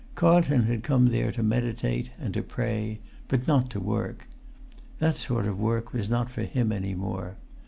Carlton had come there to meditate and to pray, but not to work. That sort of work was not for him any more.